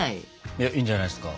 いやいいんじゃないですか。